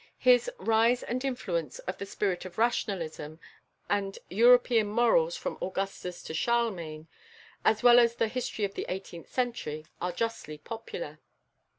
His "Rise and Influence of the Spirit of Rationalism," and "European Morals from Augustus to Charlemagne," as well as the "History of the Eighteenth Century," are justly popular.